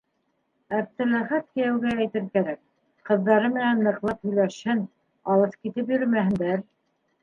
Әптеләхәт кейәүгә әйтер кәрәк: ҡыҙҙары менән ныҡлап һөйләшһен, алыҫ китеп йөрөмәһендәр.